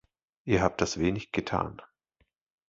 Ihr habt das wenig getan.